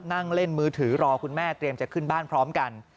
นั่งเล่นมือถือรอคุณแม่เตรียมจะขึ้นบ้านพร้อมกัน